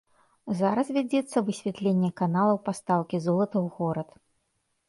Зараз вядзецца высвятленне каналаў пастаўкі золата ў горад.